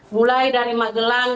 mulai dari magelang